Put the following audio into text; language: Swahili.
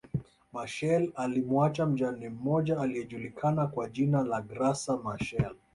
Machel alimuacha mjane mmoja aliyejulikana kwa jina la Graca Michael